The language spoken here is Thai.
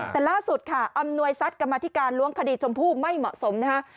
แต่ล่าสุดค่ะอำนวยทรัพย์กรรมธิการล้วงคดีชมพู่ไม่เหมาะสมนะฮะ